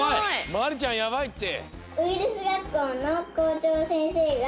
まりちゃんやばいって！